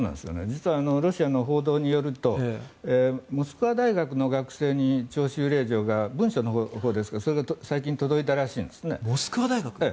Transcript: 実はロシアの報道によるとモスクワ大学の学生に招集令状が文書のほうですがそれが最近届いたそうなんですね。